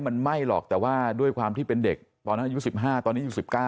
มันไหม้หรอกแต่ว่าด้วยความที่เป็นเด็กตอนนั้นอายุ๑๕ตอนนี้อยู่๑๙